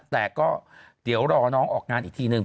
แต่ก็เดี๋ยวรอน้องออกงานอีกทีนึง